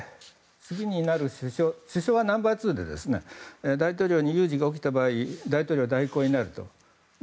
首相はナンバー２で大統領に有事が起きた場合大統領代行になると。